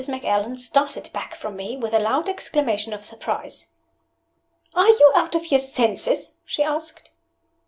Macallan started back from me with a loud exclamation of surprise. "Are you out of your senses?" she asked.